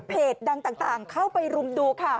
ดังต่างเข้าไปรุมดูค่ะ